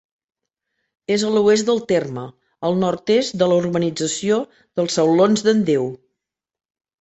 És a l'oest del terme, al nord-est de la urbanització dels Saulons d'en Déu.